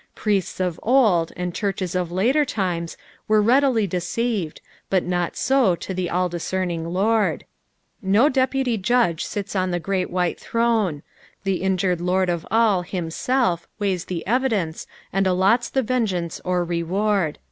Priests of old, and churches of later times, were readily deceived, but not so the all discerning Lord. No deputy judge aits on the great white throne ; the injured Lord of all himself weighs the evidence aoA allots the vangeance or reward.